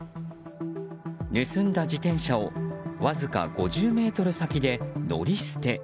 盗んだ自転車をわずか５０ｍ先で乗り捨て。